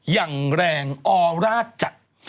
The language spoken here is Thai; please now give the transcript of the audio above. อย่างแรงออราชจัด